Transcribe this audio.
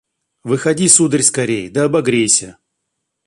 Выходи, сударь, скорее да обогрейся.